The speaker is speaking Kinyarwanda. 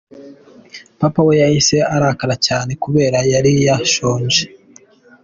Papa we yahise arakara cyane kubera yari yashonje.